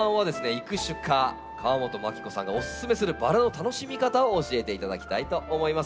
育種家河本麻記子さんがおすすめするバラの楽しみ方を教えていただきたいと思います。